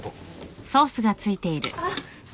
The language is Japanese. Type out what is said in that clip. あっ。